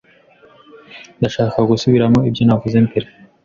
Ndashaka gusubiramo ibyo navuze mbere.